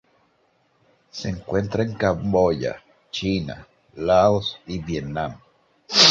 Se encuentra en Camboya, China, Laos y Vietnam.